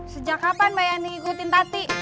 sejak kapan mbak yanti ngikutin tati